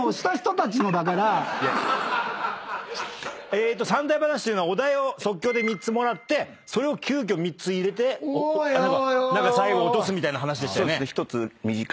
えーっと三題噺というのはお題を即興で３つもらってそれを急きょ３つ入れて最後落とすみたいな話でしたよね。